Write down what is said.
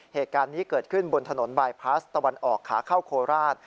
เหตุการณ์นี้เกิดขึ้นบนถนนบายพลาสตะวันออกขาเข้าโคราช